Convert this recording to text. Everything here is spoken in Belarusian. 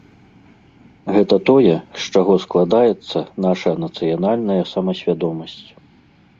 Гэта тое, з чаго складаецца наша нацыянальная самасвядомасць.